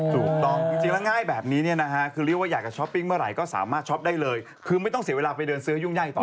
ถูกต้องจริงแล้วง่ายแบบนี้เนี่ยนะฮะคือเรียกว่าอยากจะช้อปปิ้งเมื่อไหร่ก็สามารถช้อปได้เลยคือไม่ต้องเสียเวลาไปเดินซื้อยุ่งยากต่อ